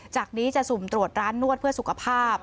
จากนี้จะสุ่มตรวจร้านนวดเพื่อสุขภาพ